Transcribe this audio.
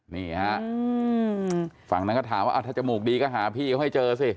นี่ฮะฝั่งนั้นก็ถามว่าถ้าจมูกดีก็หาพี่เขาให้เจอสิ